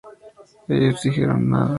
Ellos dijeron: Nada.